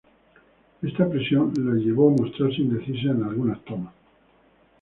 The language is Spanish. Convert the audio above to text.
Esta presión la llevó a mostrarse indecisa en algunas tomas.